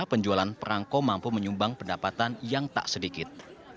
penjualan perangko mampu menyumbang pendapatan yang tak sedikit